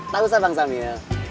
tak usah bang samil